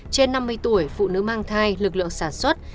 trên năm mươi tuổi phụ nữ mang thai lực lượng sản xuất